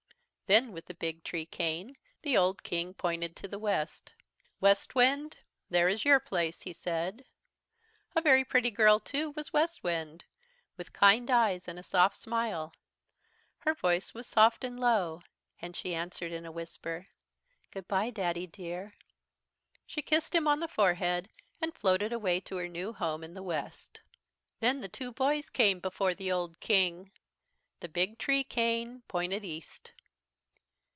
"Then with the big tree cane, the old King pointed to the west. "'Westwind, there is your place,' he said. "A very pretty girl too was Westwind, with kind eyes and a soft smile. Her voice was soft and low, and she answered in a whisper: "'Good bye, Daddy dear.' "She kissed him on the forehead, and floated away to her new home in the west. "Then the two boys came before the old King. The big tree cane pointed east.